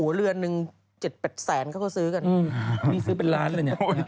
เรือนหนึ่ง๗๘แสนเขาก็ซื้อกันนี่ซื้อเป็นล้านเลยเนี่ย